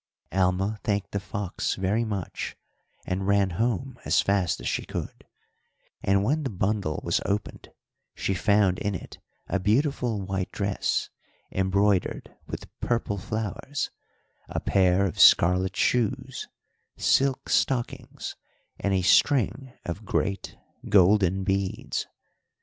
"Alma thanked the fox very much and ran home as fast as she could, and when the bundle was opened she found in it a beautiful white dress, embroidered with purple flowers, a pair of scarlet shoes, silk stockings, and a string of great golden beads.